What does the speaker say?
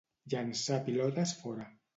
Llançar pilotes fora.